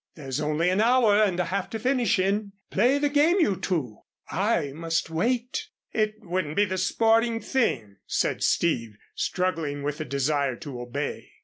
There is only an hour and a half to finish in. Play the game, you two, I must wait." "It wouldn't be the sporting thing," said Steve, struggling with a desire to obey.